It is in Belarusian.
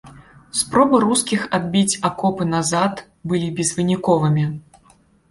Спробы рускіх адбіць акопы назад былі безвыніковымі.